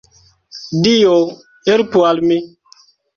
Dio, helpu al mi!